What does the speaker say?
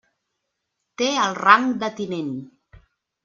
Té el rang de tinent.